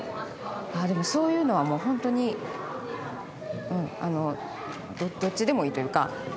でもそういうのは本当にどっちでもいいというか。